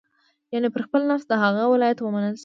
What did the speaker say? یعنې پر خپل نفس د هغه ولایت ومنل شي.